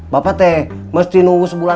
bapak itu harus menunggu sebulan